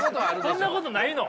そんなことないの？